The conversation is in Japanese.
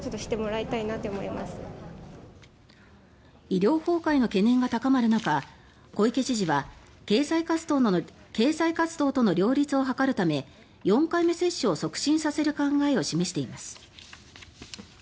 医療崩壊の懸念が高まる中小池知事は経済活動との両立を図るため４回目接種を促進させる考えを示しています。